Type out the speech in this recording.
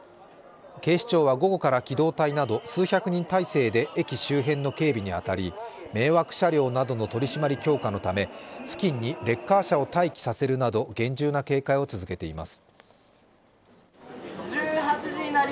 警視庁は午後から機動隊など数百人態勢で駅周辺の警備に当たり迷惑車両などの取り締まり強化のため付近にレッカー車を待機させるなど厳重な警戒を続けています。